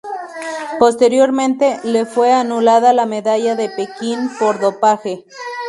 Posteriormente, le fue anulada la medalla de Pekín por dopaje.